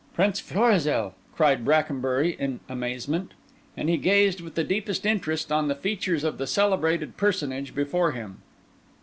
"Prince Florizel!" cried Brackenbury in amazement. And he gazed with the deepest interest on the features of the celebrated personage before him.